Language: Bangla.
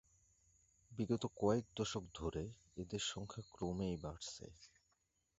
বিগত কয়েক দশক ধরে এদের সংখ্যা ক্রমেই বাড়ছে।